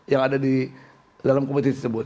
yang ada di dalam kompetisi tersebut